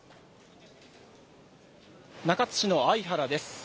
中津市の相原です。